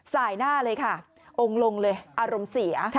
สายหน้าเลยค่ะองค์ลงเลยอารมณ์เสีย